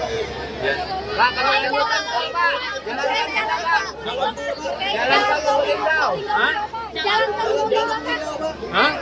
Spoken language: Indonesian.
kalau ada yang bukan support pak